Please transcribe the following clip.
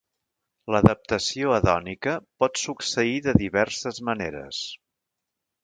L'adaptació hedònica pot succeir de diverses maneres.